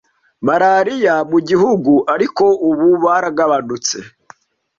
malariya mu gihugu ariko ubu baragamanutse,